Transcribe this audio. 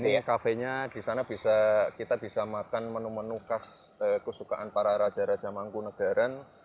ini kafenya di sana bisa kita bisa makan menu menu khas kesukaan para raja raja mangkunagaran